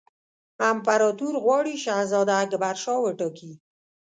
امپراطور غواړي شهزاده اکبرشاه وټاکي.